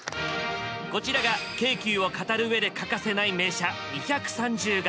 こちらが京急を語るうえで欠かせない名車２３０形。